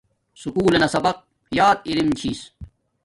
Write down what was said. سکُول لنا سبق یات ارم چھس